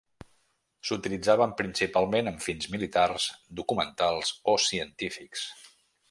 S’utilitzaven principalment amb fins militars, documentals o científics.